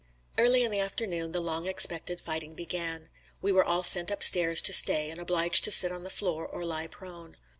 Early in the afternoon the long expected fighting began. We were all sent up stairs to stay and obliged to sit on the floor or lie prone.